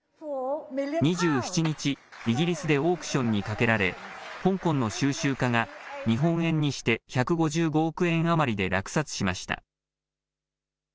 ２７日、イギリスでオークションにかけられ香港の収集家が日本円にして１５５億円余りで落札しました。